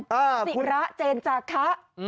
ศรีระเจนจากทะ